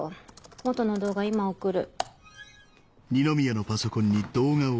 元の動画今送る。